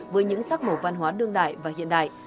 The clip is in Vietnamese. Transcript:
với những sắc màu văn hóa đương đại và hiện đại